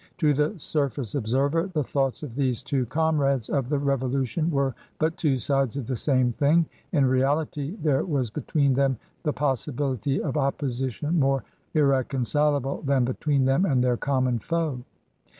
To the surface observer the thoughts of these two comrades of the Revolution were but two sides of the same thing; in reality, there was between them the possibility of opposition more irre concilable than between them and their common foe.